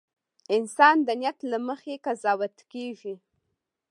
• انسان د نیت له مخې قضاوت کېږي.